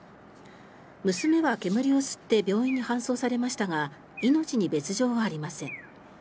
娘は煙を吸って病院に搬送されましたが命に別条はありません。